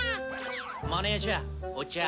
マネージャーお茶。